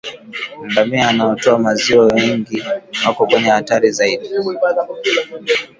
Ngamia wanaotoa maziwa mengi wako kwenye hatari zaidi